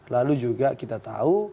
lalu juga kita tahu